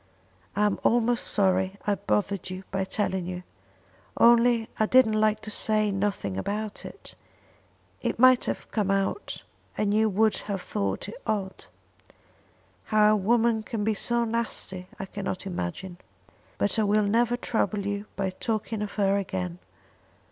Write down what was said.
"I am almost sorry I bothered you by telling you, only I didn't like to say nothing about it. It might have come out, and you would have thought it odd. How a woman can be so nasty I cannot imagine. But I will never trouble you by talking of her again.